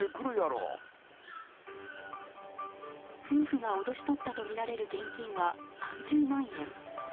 夫婦が脅し取ったとみられる現金は３０万円。